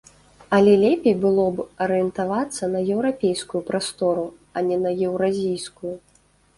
Але лепей было б арыентавацца на еўрапейскую прастору, а не на еўразійскую.